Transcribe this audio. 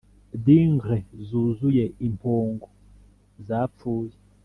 dingle yuzuye impongo zapfuye!